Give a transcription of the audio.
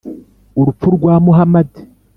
urupfu rwa muhamadi